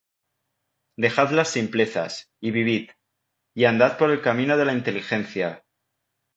Dejad las simplezas, y vivid; Y andad por el camino de la inteligencia.